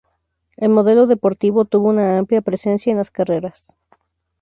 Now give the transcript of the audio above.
El modelo deportivo tuvo una amplia presencia en las carreras.